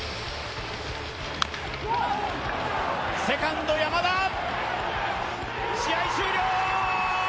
セカンド・山田！